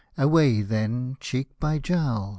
Away then, cheek by jowl.